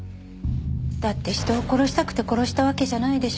だって人を殺したくて殺したわけじゃないでしょ？